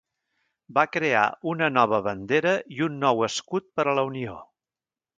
Va crear una nova bandera i un nou escut per a la unió.